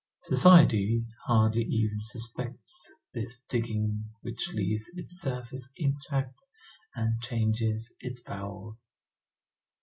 Society hardly even suspects this digging which leaves its surface intact and changes its bowels.